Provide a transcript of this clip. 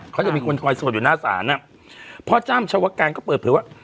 เขาจะมีคนคอยสวดอยู่หน้าศาลอ่ะพ่อจ้ำชาวการก็เปิดเผยว่า